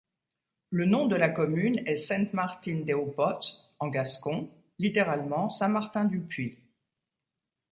Le nom de la commune est Sent Martin deu Potz en gascon, littéralement Saint-Martin-du-Puy.